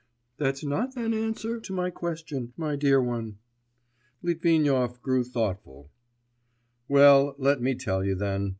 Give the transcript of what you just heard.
'That's not an answer to my question, my dear one.' Litvinov grew thoughtful. 'Well, let me tell you then